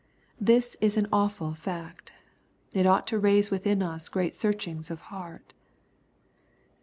This is an awful fact. It ought to raise within us great searchings of heart.